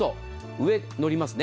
上に乗りますね。